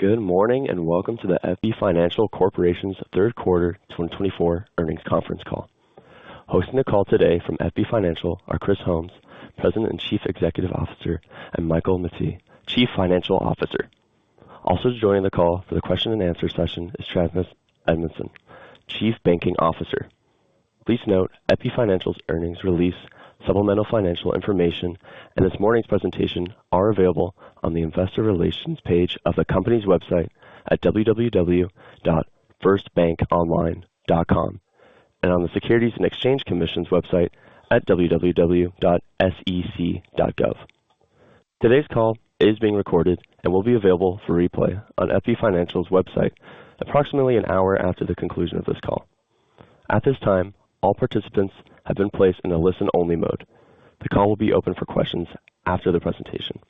Good morning, and welcome to the FB Financial Corporation's Third Quarter 2024 Earnings Conference Call. Hosting the call today from FB Financial are Chris Holmes, President and Chief Executive Officer, and Michael Mette, Chief Financial Officer. Also joining the call for the question and answer session is Travis Edmondson, Chief Banking Officer. Please note, FB Financial's earnings release, supplemental financial information, and this morning's presentation are available on the investor relations page of the company's website at www.firstbankonline.com and on the Securities and Exchange Commission's website at www.sec.gov. Today's call is being recorded and will be available for replay on FB Financial's website approximately an hour after the conclusion of this call. At this time, all participants have been placed in a listen-only mode. The call will be open for questions after the presentation.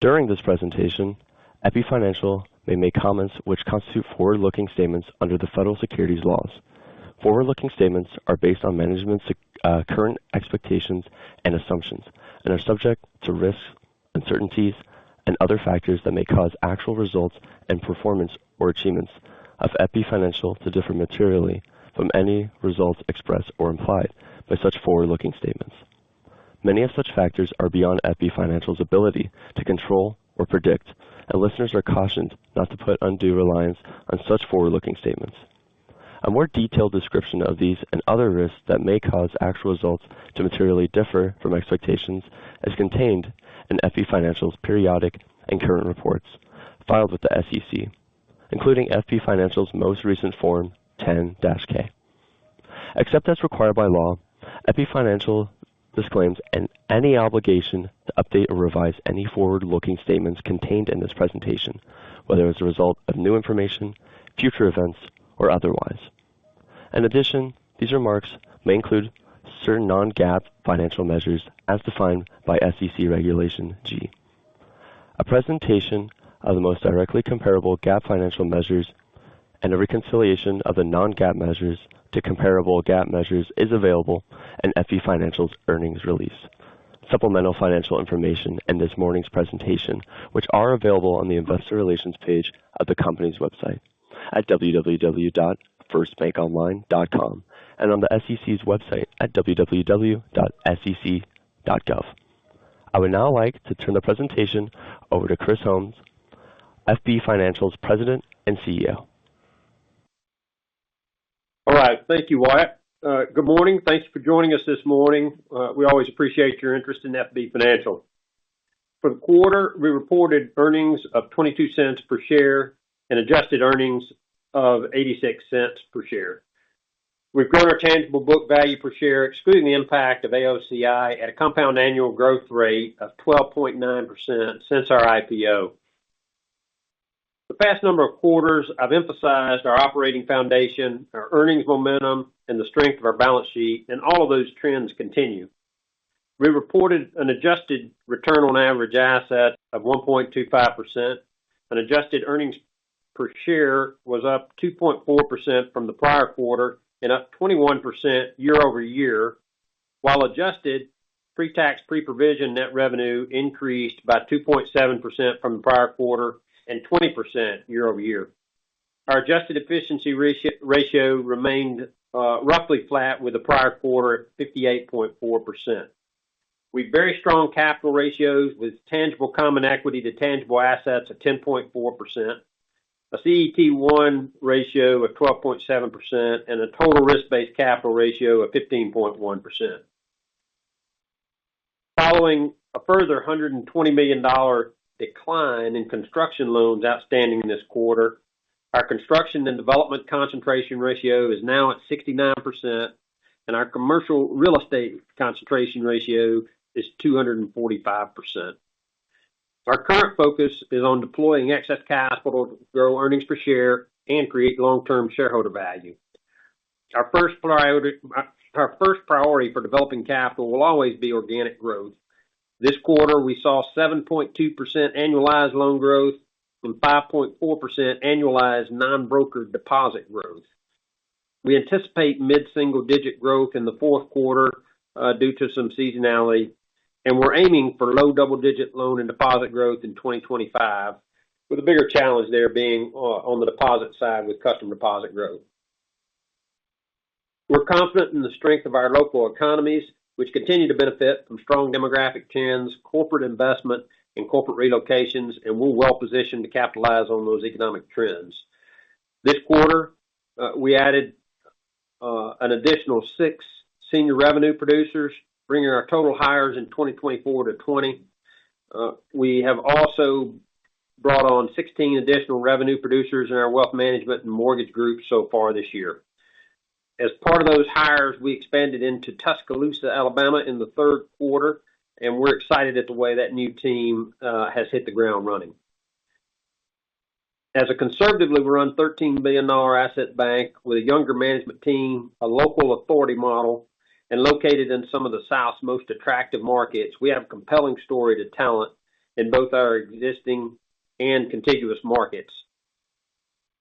During this presentation, FB Financial may make comments which constitute forward-looking statements under the federal securities laws. Forward-looking statements are based on management's current expectations and assumptions and are subject to risks, uncertainties, and other factors that may cause actual results and performance or achievements of FB Financial to differ materially from any results expressed or implied by such forward-looking statements. Many of such factors are beyond FB Financial's ability to control or predict, and listeners are cautioned not to put undue reliance on such forward-looking statements. A more detailed description of these and other risks that may cause actual results to materially differ from expectations is contained in FB Financial's periodic and current reports filed with the SEC, including FB Financial's most recent Form 10-K. Except as required by law, FB Financial disclaims any obligation to update or revise any forward-looking statements contained in this presentation, whether as a result of new information, future events, or otherwise. In addition, these remarks may include certain non-GAAP financial measures as defined by SEC Regulation G. A presentation of the most directly comparable GAAP financial measures and a reconciliation of the non-GAAP measures to comparable GAAP measures is available in FB Financial's earnings release, supplemental financial information in this morning's presentation, which are available on the investor relations page of the company's website at www.firstbankonline.com and on the SEC's website at www.sec.gov. I would now like to turn the presentation over to Chris Holmes, FB Financial's President and CEO. All right. Thank you, Wyatt. Good morning. Thanks for joining us this morning. We always appreciate your interest in FB Financial. For the quarter, we reported earnings of $0.22 per share and adjusted earnings of $0.86 per share. We've grown our tangible book value per share, excluding the impact of AOCI, at a compound annual growth rate of 12.9% since our IPO. The past number of quarters, I've emphasized our operating foundation, our earnings momentum, and the strength of our balance sheet, and all of those trends continue. We reported an adjusted return on average assets of 1.25%. Our adjusted earnings per share was up 2.4% from the prior quarter and up 21% year over year, while adjusted pre-tax, pre-provision net revenue increased by 2.7% from the prior quarter and 20% year over year. Our adjusted efficiency ratio remained roughly flat with the prior quarter at 58.4%. We have very strong capital ratios with tangible common equity to tangible assets at 10.4%, a CET1 ratio of 12.7%, and a total risk-based capital ratio of 15.1%. Following a further $120 million decline in construction loans outstanding this quarter, our construction and development concentration ratio is now at 69%, and our commercial real estate concentration ratio is 245%. Our current focus is on deploying excess capital to grow earnings per share and create long-term shareholder value. Our first priority for developing capital will always be organic growth. This quarter, we saw 7.2% annualized loan growth and 5.4% annualized non-brokered deposit growth. We anticipate mid-single digit growth in the fourth quarter, due to some seasonality, and we're aiming for low double-digit loan and deposit growth in 2025, with a bigger challenge there being, on the deposit side with customer deposit growth. We're confident in the strength of our local economies, which continue to benefit from strong demographic trends, corporate investment and corporate relocations, and we're well positioned to capitalize on those economic trends. This quarter, we added, an additional six senior revenue producers, bringing our total hires in 2024 to 20. We have also brought on 16 additional revenue producers in our wealth management and mortgage group so far this year. As part of those hires, we expanded into Tuscaloosa, Alabama, in the third quarter, and we're excited at the way that new team has hit the ground running. As a conservatively run $13 billion asset bank with a younger management team, a local authority model, and located in some of the South's most attractive markets, we have a compelling story to tell in both our existing and contiguous markets,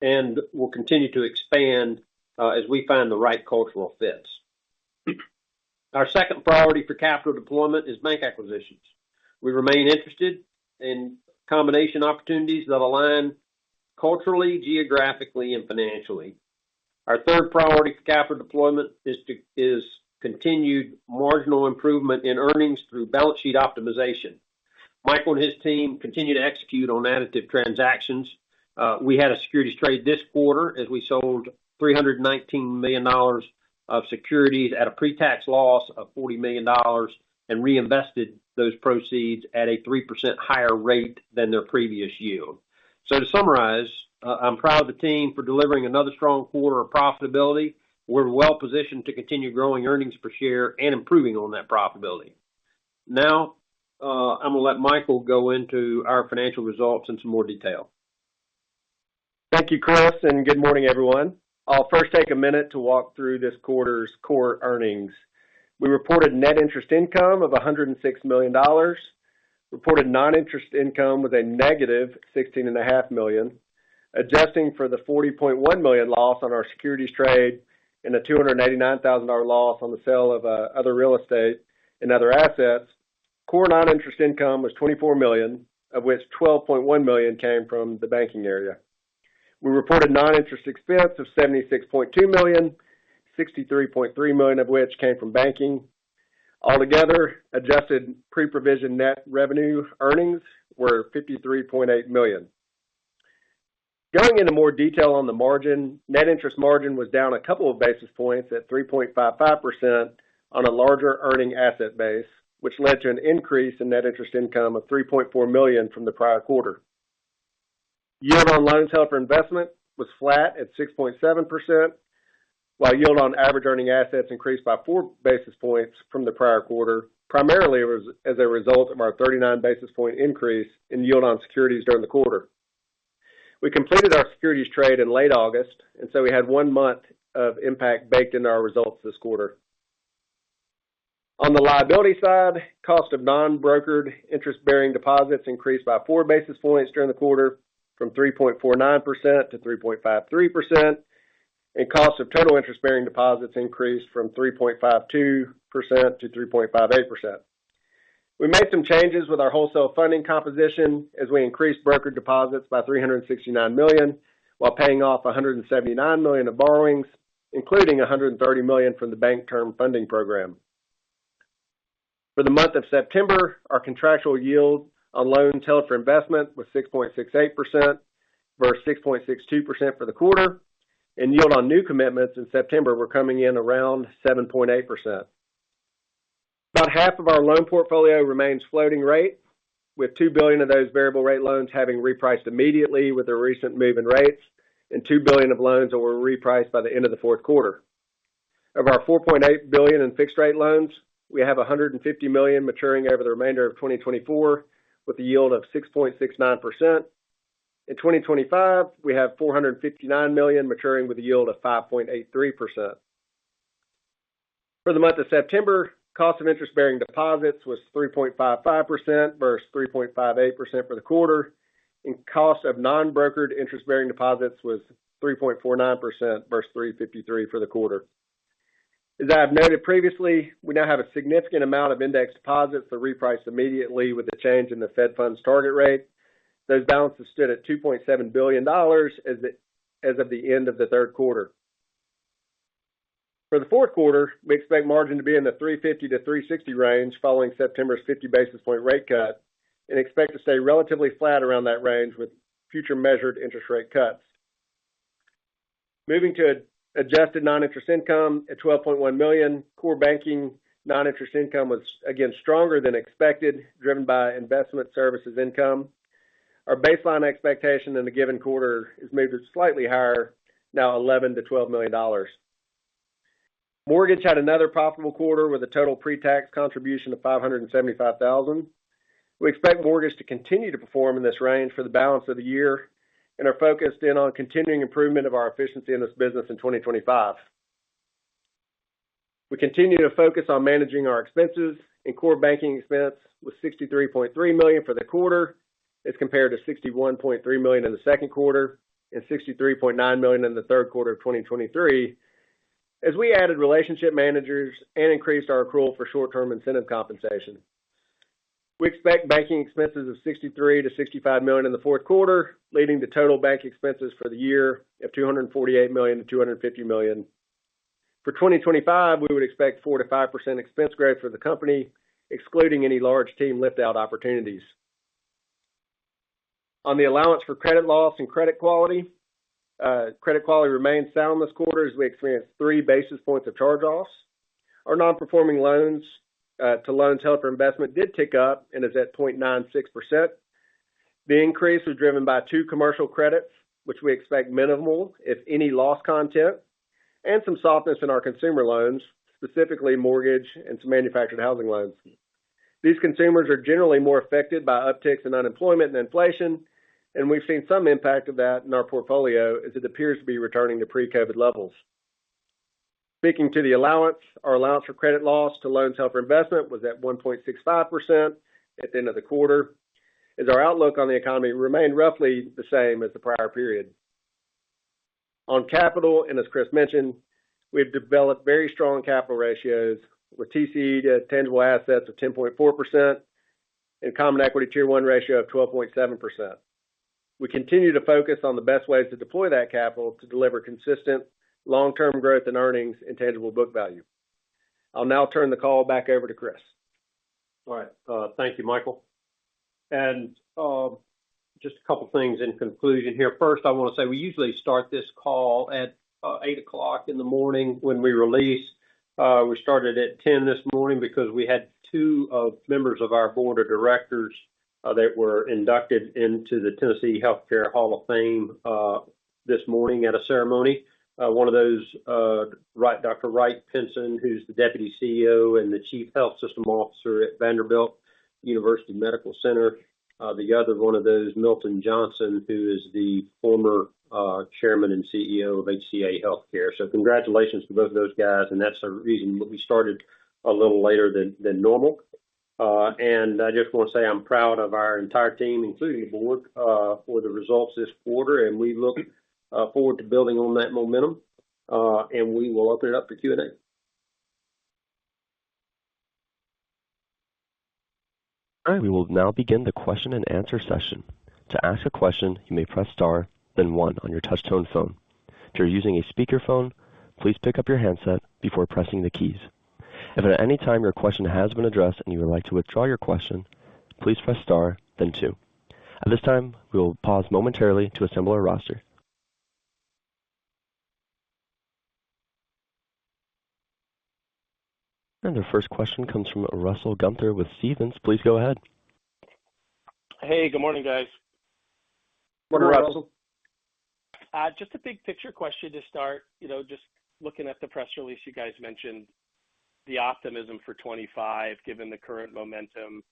and we'll continue to expand as we find the right cultural fits. Our second priority for capital deployment is bank acquisitions. We remain interested in combination opportunities that align culturally, geographically, and financially. Our third priority for capital deployment is continued marginal improvement in earnings through balance sheet optimization. Michael and his team continue to execute on additive transactions. We had a securities trade this quarter, as we sold $319 million of securities at a pre-tax loss of $40 million, and reinvested those proceeds at a 3% higher rate than their previous yield. So to summarize, I'm proud of the team for delivering another strong quarter of profitability. We're well-positioned to continue growing earnings per share and improving on that profitability. Now, I'm going to let Michael go into our financial results in some more detail. Thank you, Chris, and good morning, everyone. I'll first take a minute to walk through this quarter's core earnings. We reported net interest income of $106 million, reported non-interest income with a negative $16.5 million, adjusting for the $40.1 million loss on our securities trade and a $289,000 loss on the sale of other real estate and other assets. Core non-interest income was $24 million, of which $12.1 million came from the banking area. We reported non-interest expense of $76.2 million, $63.3 million of which came from banking. Altogether, adjusted pre-provision net revenue earnings were $53.8 million. Going into more detail on the margin, net interest margin was down a couple of basis points at 3.55% on a larger earning asset base, which led to an increase in net interest income of $3.4 million from the prior quarter. Yield on loans held for investment was flat at 6.7%, while yield on average earning assets increased by four basis points from the prior quarter, primarily as a result of our 39 basis points increase in yield on securities during the quarter. We completed our securities trade in late August, and so we had one month of impact baked in our results this quarter. On the liability side, cost of non-brokered interest-bearing deposits increased by four basis points during the quarter from 3.49% to 3.53%, and cost of total interest-bearing deposits increased from 3.52% to 3.58%. We made some changes with our wholesale funding composition as we increased brokered deposits by $369 million, while paying off $179 million of borrowings, including $130 million from the Bank Term Funding Program. For the month of September, our contractual yield on loans held for investment was 6.68%, versus 6.62% for the quarter, and yield on new commitments in September were coming in around 7.8%. About half of our loan portfolio remains floating rate, with $2 billion of those variable rate loans having repriced immediately with the recent move in rates, and $2 billion of loans that were repriced by the end of the fourth quarter. Of our $4.8 billion in fixed rate loans, we have $150 million maturing over the remainder of 2024, with a yield of 6.69%. In 2025, we have $459 million maturing with a yield of 5.83%. For the month of September, cost of interest-bearing deposits was 3.55% versus 3.58% for the quarter, and cost of non-brokered interest-bearing deposits was 3.49% versus 3.53% for the quarter. As I have noted previously, we now have a significant amount of index deposits that reprice immediately with the change in the Fed funds target rate. Those balances stood at $2.7 billion as of the end of the third quarter. For the fourth quarter, we expect margin to be in the 350-360 range following September's 50 basis point rate cut, and expect to stay relatively flat around that range with future measured interest rate cuts. Moving to adjusted non-interest income at $12.1 million, core banking non-interest income was, again, stronger than expected, driven by investment services income. Our baseline expectation in a given quarter is measured slightly higher, now $11-$12 million. Mortgage had another profitable quarter with a total pre-tax contribution of $575,000. We expect mortgage to continue to perform in this range for the balance of the year and are focused in on continuing improvement of our efficiency in this business in 2025. We continue to focus on managing our expenses, and core banking expense was $63.3 million for the quarter, as compared to $61.3 million in the second quarter and $63.9 million in the third quarter of 2023, as we added relationship managers and increased our accrual for short-term incentive compensation. We expect banking expenses of $63-$65 million in the fourth quarter, leading to total bank expenses for the year of $248-$250 million. For 2025, we would expect 4%-5% expense growth for the company, excluding any large team lift out opportunities. On the allowance for credit loss and credit quality, credit quality remained sound this quarter as we experienced three basis points of charge-offs. Our non-performing loans to loans held for investment did tick up and is at 0.96%. The increase was driven by two commercial credits, which we expect minimal, if any, loss content, and some softness in our consumer loans, specifically mortgage and some manufactured housing loans. These consumers are generally more affected by upticks in unemployment and inflation, and we've seen some impact of that in our portfolio as it appears to be returning to pre-COVID levels. Speaking to the allowance, our allowance for credit loss to loans held for investment was at 1.65% at the end of the quarter, as our outlook on the economy remained roughly the same as the prior period. On capital, and as Chris mentioned, we've developed very strong capital ratios, with TCE to tangible assets of 10.4% and Common Equity Tier 1 ratio of 12.7%. We continue to focus on the best ways to deploy that capital to deliver consistent long-term growth in earnings and tangible book value. I'll now turn the call back over to Chris. All right. Thank you, Michael. And just a couple of things in conclusion here. First, I want to say we usually start this call at 8:00 A.M. when we release. We started at 10:00 A.M. this morning because we had two members of our board of directors that were inducted into the Tennessee Healthcare Hall of Fame this morning at a ceremony. One of those, Dr. Wright Pinson, who's the Deputy CEO and the Chief Health System Officer at Vanderbilt University Medical Center. The other one of those, Milton Johnson, who is the former Chairman and CEO of HCA Healthcare. So congratulations to both of those guys, and that's the reason we started a little later than normal.I just want to say I'm proud of our entire team, including the board, for the results this quarter, and we look forward to building on that momentum. We will open it up for Q&A. All right, we will now begin the question-and-answer session. To ask a question, you may press Star, then one on your touch tone phone. If you're using a speakerphone, please pick up your handset before pressing the keys. If at any time your question has been addressed and you would like to withdraw your question, please press Star, then two. At this time, we will pause momentarily to assemble our roster, and our first question comes from Russell Gunther with Stephens. Please go ahead. Hey, good morning, guys. Morning, Russell. Just a big picture question to start. You know, just looking at the press release, you guys mentioned the optimism for 2025, given the current momentum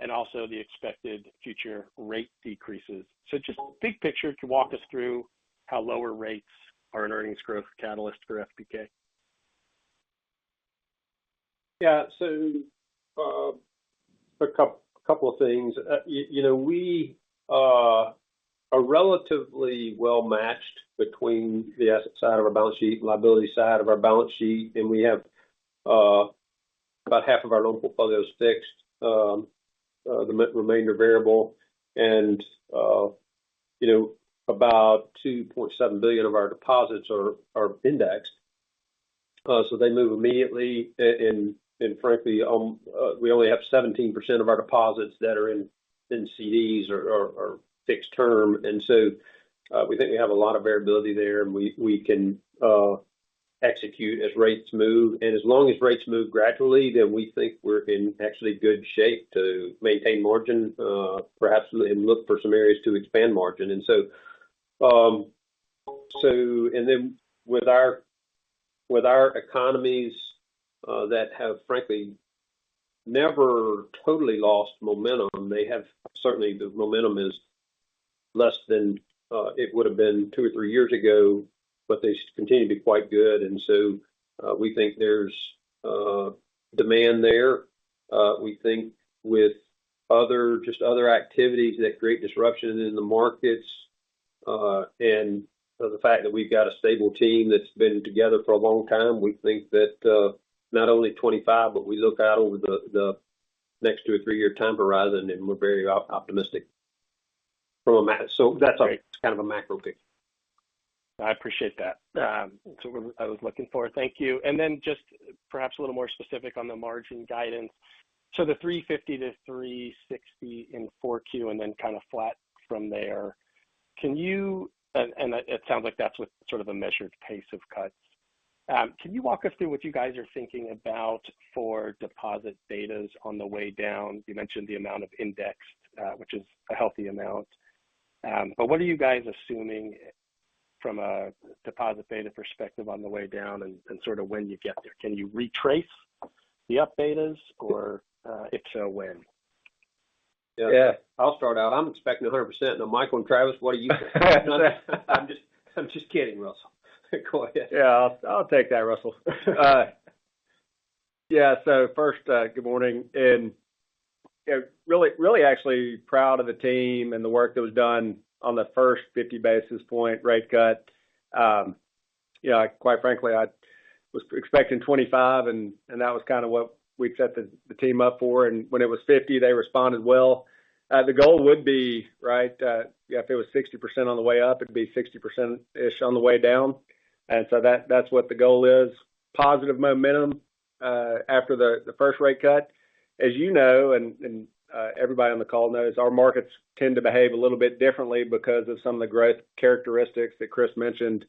and also the expected future rate decreases. So just big picture, can you walk us through how lower rates are an earnings growth catalyst for FBK? Yeah, so, a couple of things. You know, we are relatively well matched between the asset side of our balance sheet, liability side of our balance sheet, and we have about half of our loan portfolio is fixed, the remainder variable, and you know, about $2.7 billion of our deposits are indexed, so they move immediately. And, and frankly, we only have 17% of our deposits that are in CDs or fixed term. And so, we think we have a lot of variability there, and we can execute as rates move. And as long as rates move gradually, then we think we're in actually good shape to maintain margin, perhaps and look for some areas to expand margin. And so, and then with our economies that have frankly never totally lost momentum, they have certainly the momentum is less than it would have been two or three years ago, but they continue to be quite good, and so we think there's a demand there. We think with other just other activities that create disruption in the markets, and the fact that we've got a stable team that's been together for a long time, we think that not only twenty-five, but we look out over the next two or three-year time horizon, and we're very optimistic from a macro. So that's kind of a macro picture. I appreciate that. That's what I was looking for. Thank you. And then just perhaps a little more specific on the margin guidance. So the 3.50%-3.60% in 4Q, and then kind of flat from there. And it sounds like that's with sort of a measured pace of cuts. Can you walk us through what you guys are thinking about for deposit betas on the way down? You mentioned the amount of indexed, which is a healthy amount. But what are you guys assuming from a deposit beta perspective on the way down and sort of when you get there? Can you retrace the up betas or, if so, when? Yeah, I'll start out. I'm expecting 100%. Now, Michael and Travis, what are you...? I'm just, I'm just kidding, Russell. Go ahead. Yeah, I'll take that, Russell. Yeah, so first, good morning, and really, really actually proud of the team and the work that was done on the first 50 basis point rate cut. Yeah, quite frankly, I was expecting 25, and that was kind of what we set the team up for, and when it was 50, they responded well. The goal would be, right, if it was 60% on the way up, it'd be 60%-ish on the way down. And so that, that's what the goal is. Positive momentum after the first rate cut. As you know, everybody on the call knows, our markets tend to behave a little bit differently because of some of the growth characteristics that Chris mentioned.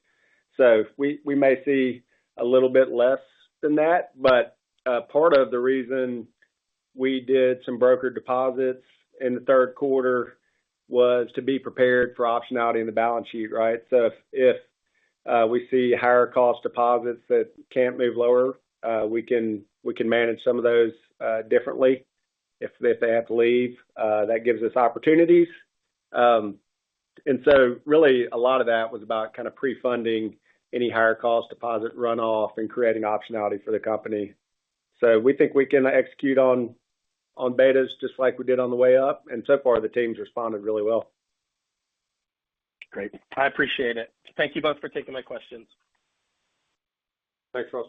So we may see a little bit less than that, but part of the reason we did some brokered deposits in the third quarter was to be prepared for optionality in the balance sheet, right? So if we see higher cost deposits that can't move lower, we can manage some of those differently. If they have to leave, that gives us opportunities. And so really, a lot of that was about kind of pre-funding any higher cost deposit runoff and creating optionality for the company. So we think we can execute on betas just like we did on the way up, and so far, the team's responded really well. Great. I appreciate it. Thank you both for taking my questions. Thanks, Russ.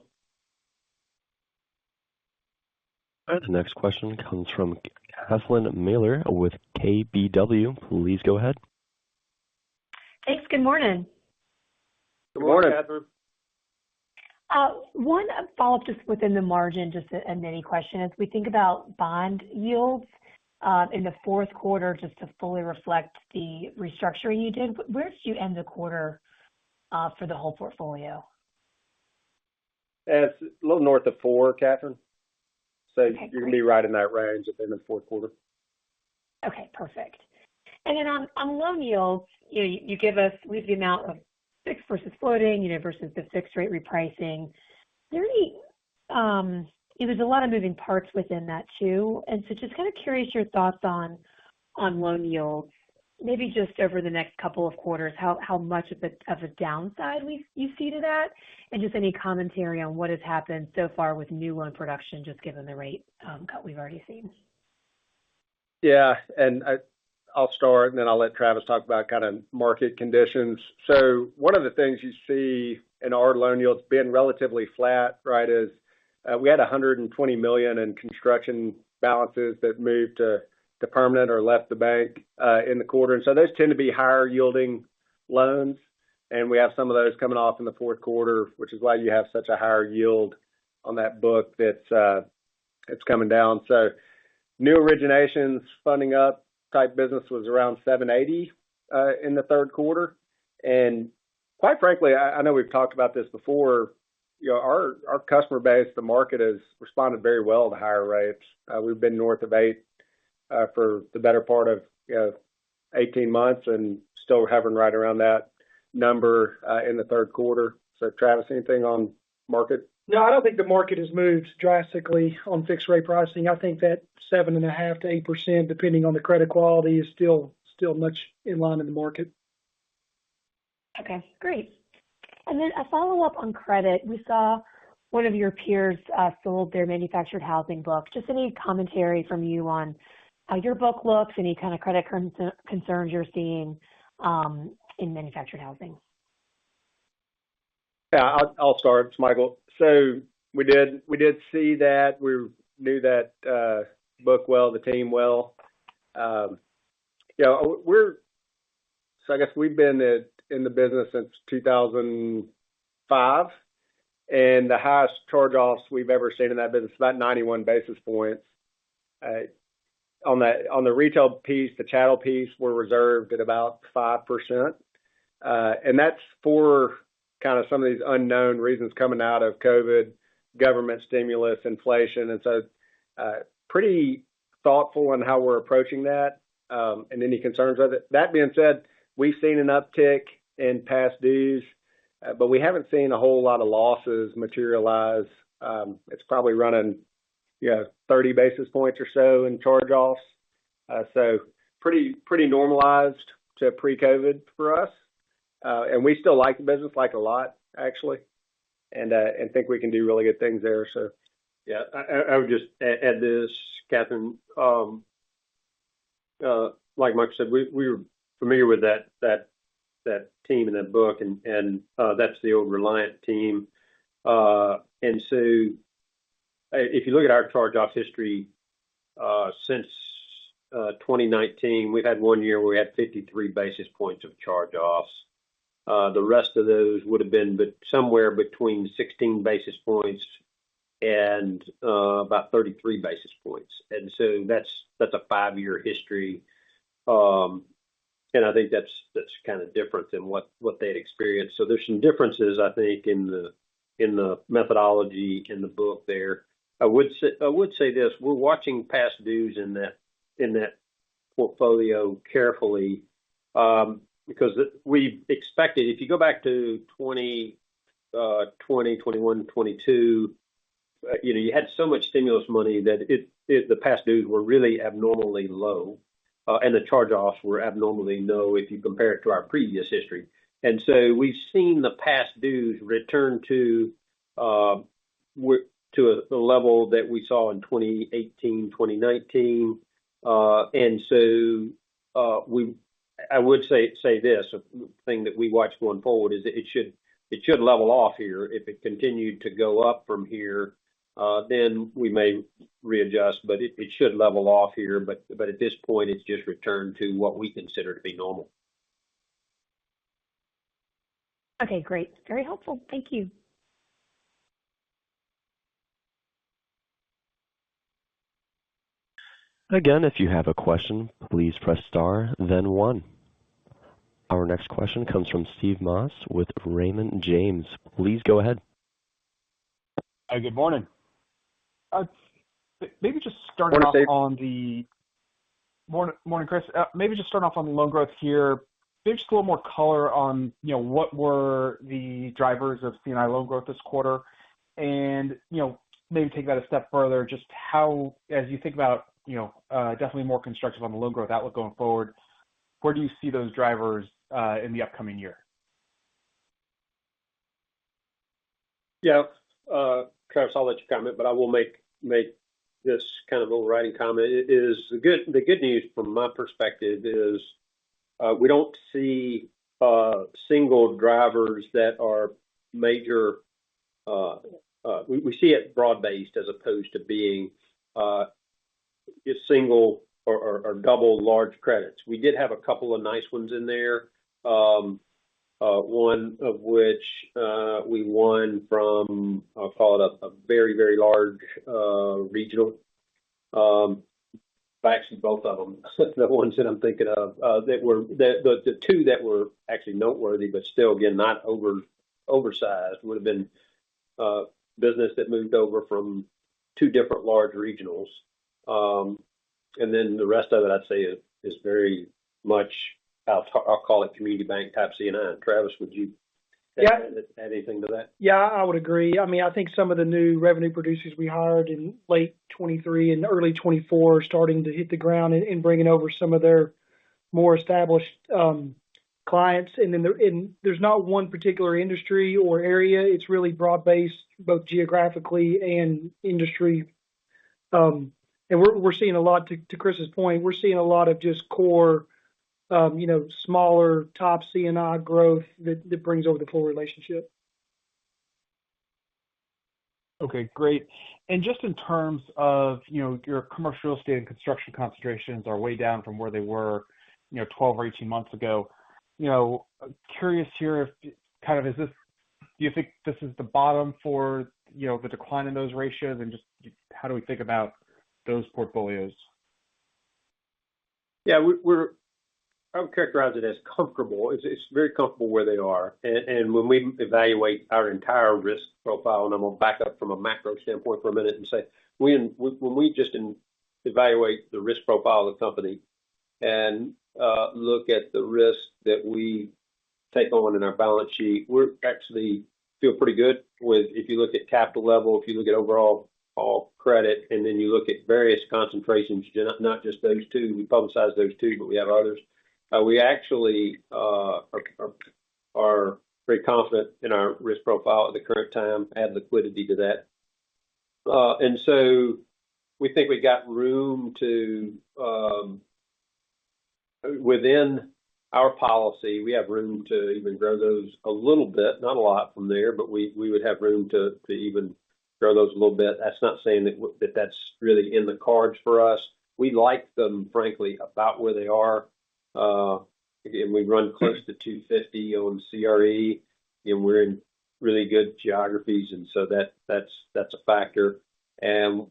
The next question comes from Catherine Mealor with KBW. Please go ahead. Thanks. Good morning. Good morning. Good morning, Catherine. One follow-up just within the margin, just a mini question. As we think about bond yields, in the fourth quarter, just to fully reflect the restructuring you did, where did you end the quarter, for the whole portfolio? It's a little north of 4, Catherine. Okay, great. You're going to be right in that range at the end of the fourth quarter. Okay, perfect. And then on loan yields, you know, you give us with the amount of fixed versus floating, you know, versus the fixed rate repricing. Is there any - it was a lot of moving parts within that, too. And so just kind of curious your thoughts on loan yields, maybe just over the next couple of quarters, how much of a downside you see to that, and just any commentary on what has happened so far with new loan production, just given the rate cut we've already seen. Yeah, and I, I'll start, and then I'll let Travis talk about kind of market conditions. So one of the things you see in our loan yields being relatively flat, right, is we had $120 million in construction balances that moved to permanent or left the bank in the quarter. And so those tend to be higher-yielding loans, and we have some of those coming off in the fourth quarter, which is why you have such a higher yield on that book that's, it's coming down. So new originations, funding up type business was around 7.80% in the third quarter. And quite frankly, I know we've talked about this before, you know, our customer base, the market, has responded very well to higher rates. We've been north of 8 for the better part of, you know, eighteen months and still hovering right around that number in the third quarter. So, Travis, anything on market? No, I don't think the market has moved drastically on fixed rate pricing. I think that 7.5%-8%, depending on the credit quality, is still much in line in the market. Okay, great. And then a follow-up on credit. We saw one of your peers sold their manufactured housing book. Just any commentary from you on how your book looks, any kind of credit concerns you're seeing in manufactured housing? Yeah, I'll start. It's Michael. So we did see that. We knew that book well, the team well. Yeah, we're so I guess we've been in the business since 2005, and the highest charge-offs we've ever seen in that business is about 91 basis points. On the retail piece, the chattel piece, we're reserved at about 5%. And that's for kind of some of these unknown reasons coming out of COVID, government stimulus, inflation, and so pretty thoughtful on how we're approaching that and any concerns with it. That being said, we've seen an uptick in past dues, but we haven't seen a whole lot of losses materialize. It's probably running, you know, 30 basis points or so in charge-offs. So pretty normalized to pre-COVID for us. We still like the business, like, a lot, actually, and think we can do really good things there. So. Yeah, I would just add this, Catherine. Like Mike said, we're familiar with that team and that book, and that's the old Reliant team. And so if you look at our charge-off history since 2019, we've had one year where we had 53 basis points of charge-offs. The rest of those would have been somewhere between 16 basis points and about 33 basis points. And so that's a five-year history. And I think that's kind of different than what they'd experienced. So there's some differences, I think, in the methodology in the book there. I would say, I would say this, we're watching past dues in that portfolio carefully, because we expected – if you go back to 2020, 2021, 2022, you know, you had so much stimulus money that it, it – the past dues were really abnormally low, and the charge-offs were abnormally low if you compare it to our previous history. And so we've seen the past dues return to a level that we saw in 2018, 2019. And so, we I would say this, a thing that we watch going forward is that it should level off here. If it continued to go up from here, then we may readjust, but it should level off here. But at this point, it's just returned to what we consider to be normal. Okay, great. Very helpful. Thank you. Again, if you have a question, please press Star, then One. Our next question comes from Steve Moss with Raymond James. Please go ahead. Good morning. Maybe just starting off- Good morning, Steve. Morning, Chris. Maybe just start off on the loan growth here. Maybe just a little more color on, you know, what were the drivers of C&I loan growth this quarter? And, you know, maybe take that a step further, just how, as you think about, you know, definitely more constructive on the loan growth outlook going forward, where do you see those drivers in the upcoming year? Yeah, Travis, I'll let you comment, but I will make this kind of little writing comment. It is the good news from my perspective is, we don't see single drivers that are major. We see it broad-based as opposed to being a single or double large credits. We did have a couple of nice ones in there, one of which we won from, I'll call it a very large regional. Actually, both of them, the ones that I'm thinking of, they were the two that were actually noteworthy, but still, again, not oversized, would have been business that moved over from two different large regionals. And then the rest of it, I'd say, is very much. I'll call it community bank type C&I. Travis, would you! Yeah. Add anything to that? Yeah, I would agree. I mean, I think some of the new revenue producers we hired in late 2023 and early 2024 are starting to hit the ground and bringing over some of their more established clients. And then there's not one particular industry or area, it's really broad-based, both geographically and industry. And we're seeing a lot to Chris's point, we're seeing a lot of just core, you know, smaller top C&I growth that brings over the full relationship. Okay, great. And just in terms of, you know, your commercial real estate and construction concentrations are way down from where they were, you know, twelve or eighteen months ago. You know, curious here, if kind of is this, do you think this is the bottom for, you know, the decline in those ratios? And just how do we think about those portfolios? Yeah, we're. I would characterize it as comfortable. It's very comfortable where they are. And when we evaluate our entire risk profile, and I'm going to back up from a macro standpoint for a minute and say, we when we just evaluate the risk profile of the company and look at the risk that we take on in our balance sheet, we're actually feel pretty good with if you look at capital level, if you look at overall all credit, and then you look at various concentrations, not just those two. We publicize those two, but we have others. We actually are very confident in our risk profile at the current time, add liquidity to that. And so we think we've got room to, within our policy, we have room to even grow those a little bit, not a lot from there, but we would have room to even grow those a little bit. That's not saying that that's really in the cards for us. We like them, frankly, about where they are. And we run close to 250 on CRE, and we're in really good geographies, and so that's a factor. You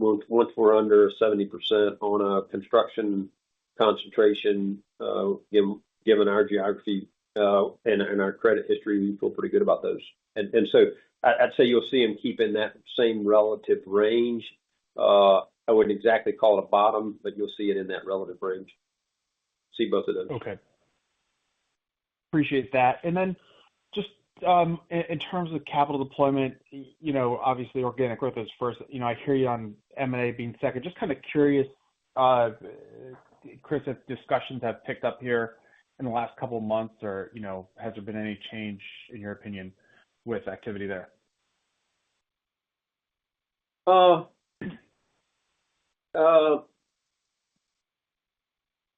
know, once we're under 70% on a construction concentration, given our geography, and our credit history, we feel pretty good about those. And so I'd say you'll see them keep in that same relative range. I wouldn't exactly call it a bottom, but you'll see it in that relative range. See both of those. Okay. Appreciate that. And then just in terms of capital deployment, you know, obviously, organic growth is first. You know, I hear you on M&A being second. Just kind of curious, Chris, if discussions have picked up here in the last couple of months, or you know, has there been any change, in your opinion, with activity there?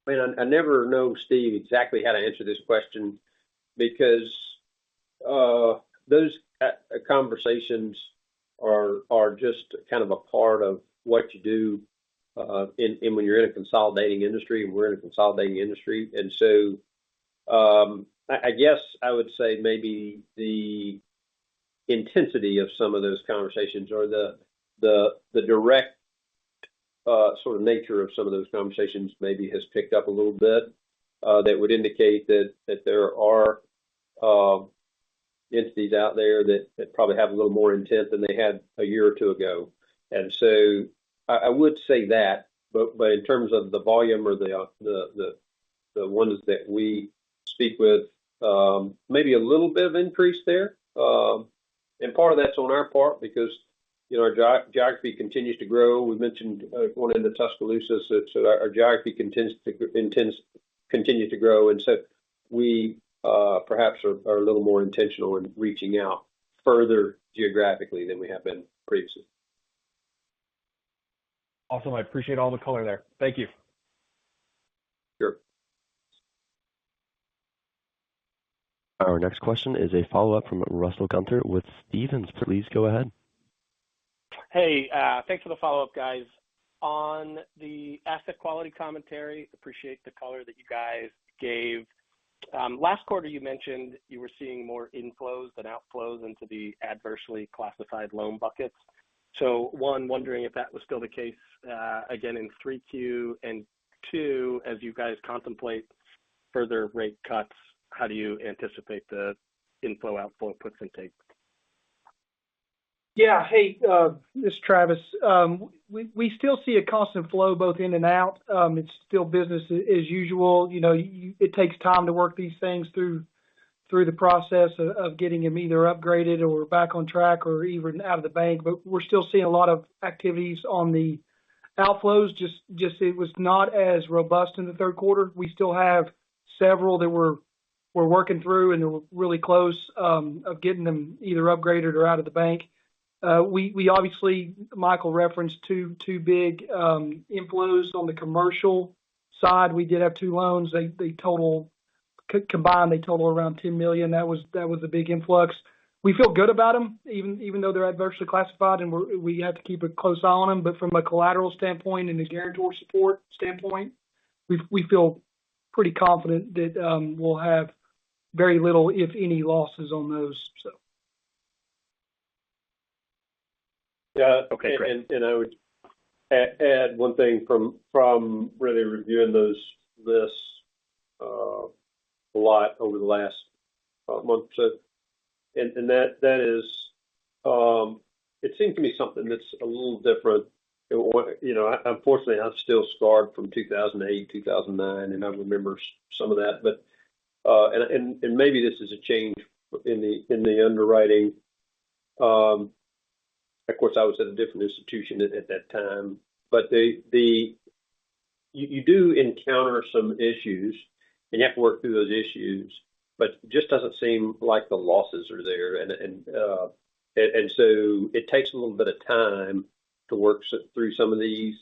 I mean, I never know, Steve, exactly how to answer this question because those conversations are just kind of a part of what you do in and when you're in a consolidating industry, and we're in a consolidating industry, so I guess I would say maybe the intensity of some of those conversations or the direct sort of nature of some of those conversations maybe has picked up a little bit, that would indicate that there are entities out there that probably have a little more intent than they had a year or two ago, so I would say that, but in terms of the volume or the ones that we speak with, maybe a little bit of increase there. And part of that's on our part because, you know, our geography continues to grow. We mentioned one in Tuscaloosa, so our geography continues to grow, and so we perhaps are a little more intentional in reaching out further geographically than we have been previously. Awesome. I appreciate all the color there. Thank you. Sure. Our next question is a follow-up from Russell Gunther with Stephens. Please go ahead. Hey, thanks for the follow-up, guys. On the asset quality commentary, appreciate the color that you guys gave. Last quarter, you mentioned you were seeing more inflows than outflows into the adversely classified loan buckets. So, one, wondering if that was still the case, again, in 3Q. And two, as you guys contemplate further rate cuts, how do you anticipate the inflow, outflow, puts, and takes? Yeah. Hey, this is Travis. We still see a constant flow both in and out. It's still business as usual. You know, it takes time to work these things through the process of getting them either upgraded or back on track or even out of the bank. But we're still seeing a lot of activities on the outflows, just it was not as robust in the Q3. We still have several that we're working through, and we're really close of getting them either upgraded or out of the bank. We obviously, Michael referenced two big inflows on the commercial side. We did have two loans. They total combined, they total around $10 million. That was a big influx. We feel good about them, even though they're adversely classified and we have to keep a close eye on them. But from a collateral standpoint and a guarantor support standpoint, we feel pretty confident that we'll have very little, if any, losses on those, so. Yeah. Okay, great. And I would add one thing from really reviewing those lists a lot over the last month or so. And that is, it seemed to be something that's a little different. You know what? Unfortunately, I'm still scarred from 2008, 2009, and I remember some of that. But and maybe this is a change in the underwriting. Of course, I was at a different institution at that time, but the you do encounter some issues, and you have to work through those issues, but it just doesn't seem like the losses are there. So it takes a little bit of time to work through some of these,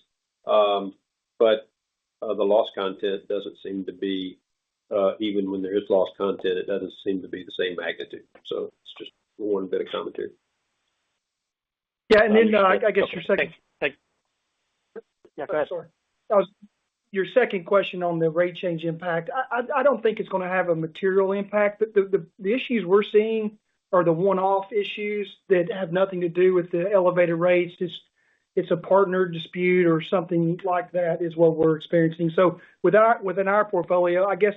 but the loss content doesn't seem to be even when there is loss content. It doesn't seem to be the same magnitude. So it's just one bit of commentary. Yeah, and then, I guess your second. Thanks. Thanks. Yeah, go ahead. Sorry. Your second question on the rate change impact. I don't think it's gonna have a material impact. The issues we're seeing are the one-off issues that have nothing to do with the elevated rates. It's a partner dispute or something like that, is what we're experiencing. So within our portfolio, I guess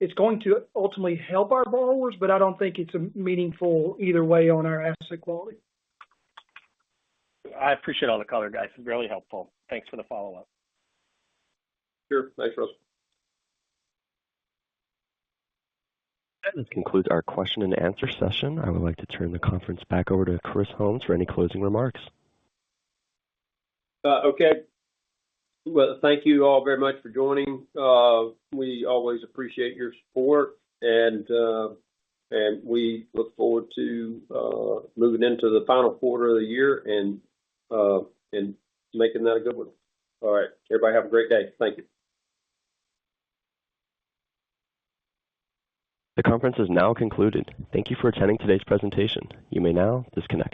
it's going to ultimately help our borrowers, but I don't think it's a meaningful either way on our asset quality. I appreciate all the color, guys. Really helpful. Thanks for the follow-up. Sure. Thanks, Russ. That concludes our question and answer session. I would like to turn the conference back over to Chris Holmes for any closing remarks. Okay, well, thank you all very much for joining. We always appreciate your support, and we look forward to moving into the final quarter of the year and making that a good one. All right. Everybody, have a great day. Thank you. The conference is now concluded. Thank you for attending today's presentation. You may now disconnect.